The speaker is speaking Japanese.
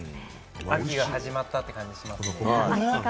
秋が始まったって感じがしますよね。